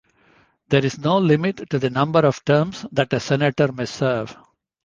There is no limit to the number of terms that a Senator may serve.